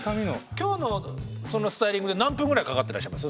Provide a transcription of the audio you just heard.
今日のそのスタイリングで何分ぐらいかかってらっしゃいます？